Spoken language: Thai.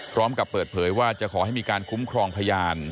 พร้อมกับเปิดเผยว่าจะขอให้มีการคุ้มครองพยาน